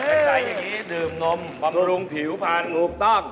แขสใส่อย่างนี้ดื่มนมฝรุงผิวผ่านรูปทอง